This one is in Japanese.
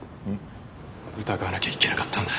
疑わなきゃいけなかったんだ。